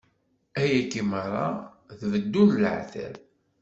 Ayagi meṛṛa, d beddu n leɛtab.